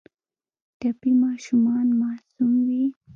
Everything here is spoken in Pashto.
ټپي ماشومان معصوم وي.